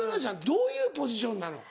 どういうポジションなの？